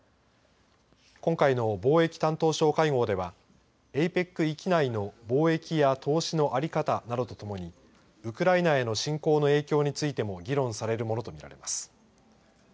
今回の貿易担当相会合ではＡＰＥＣ域内の貿易や投資の在り方などと共にウクライナへの侵攻の影響についても議論されるものとみられます。